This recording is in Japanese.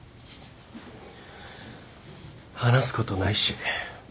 話すことないし。